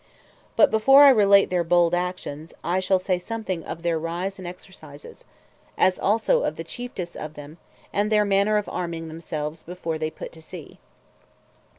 But before I relate their bold actions, I shall say something of their rise and exercises; as also of the chiefest of them, and their manner of arming themselves before they put to sea.